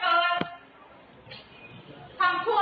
ทำชั่วแล้วก็จับได้แค่โง่เขาไฟวนหวยหน้าด้านหน้ามึง